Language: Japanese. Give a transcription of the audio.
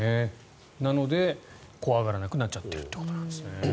なので、怖がらなくなっちゃってるということです。